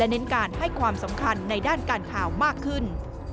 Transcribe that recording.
เน้นการให้ความสำคัญในด้านการข่าวมากขึ้น